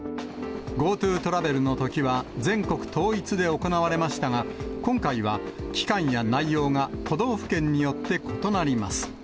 ＧｏＴｏトラベルのときは、全国統一で行われましたが、今回は期間や内容が都道府県によって異なります。